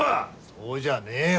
そうじゃねえよ。